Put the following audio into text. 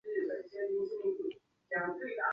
许茹芸的创作功力也是到这个时候备受肯定。